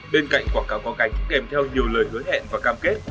bên cạnh quảng cáo có cánh kèm theo nhiều lời hứa hẹn và cam kết